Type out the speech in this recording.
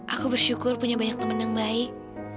aku bersyukur punya banyak teman yang baik